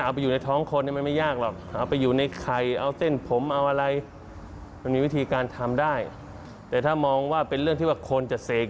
วิธีการทำได้แต่ถ้ามองว่าเป็นเรื่องที่ว่าคนจะเสก